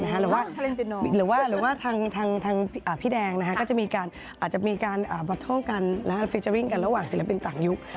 หรือว่าหรือว่าทางพี่แดงก็จะมีการอาจจะมีการบอตเทิลกันฟิเจอร์วิ่งกันระหว่างศิลปินต่างยุค